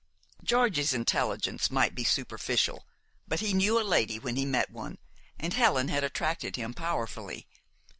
Georgie's intelligence might be superficial; but he knew a lady when he met one, and Helen had attracted him powerfully.